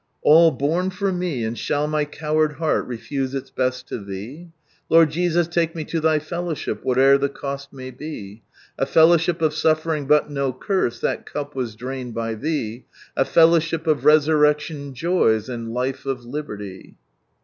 " All l»me for me, and shall my courird heart refuse ill best to Thee ? Lord Jesus, lake me to Thy fellowship whale'er Ihe cost may be. A (ellowship of sulTering txit no curse, thai cup was drained by Thee. A fellowship of resaiiecdon joys, and life of liberty